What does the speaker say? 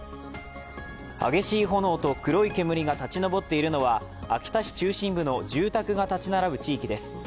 激しい炎と黒い煙が立ち上っているのは秋田市中心部の住宅が建ち並ぶ地域です。